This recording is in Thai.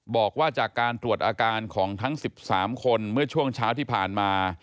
บอกว่าจากการตรวจอาการของทั้ง๑๓คนเมื่อช่วงเช้าที่ผ่านมา